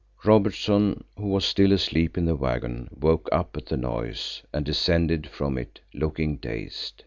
Robertson, who was still asleep in the waggon, woke up at the noise, and descended from it, looking dazed.